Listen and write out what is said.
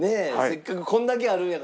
せっかくこんだけあるんやから。